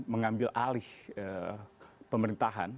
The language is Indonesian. mengambil alih pemerintahan